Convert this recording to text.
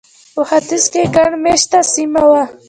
په ختیځ کې ګڼ مېشته سیمه وه.